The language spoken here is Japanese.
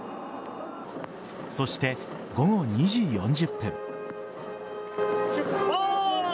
そして午後２時４０分。